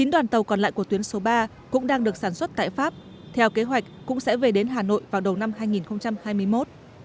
chín đoàn tàu còn lại của tuyến số ba cũng đang được sản xuất tại pháp theo kế hoạch cũng sẽ về đến hà nội vào đầu năm hai nghìn hai mươi một